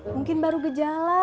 mungkin baru gejala